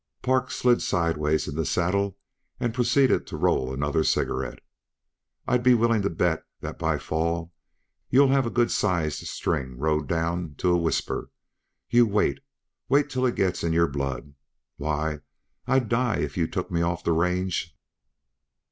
Park slid sidewise in the saddle and proceeded to roll another cigarette. "I'd be willing to bet that by fall you'll have a good sized string rode down to a whisper. You wait; wait till it gets in your blood. Why, I'd die if you took me off the range.